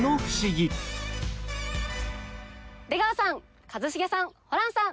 出川さん一茂さんホランさん！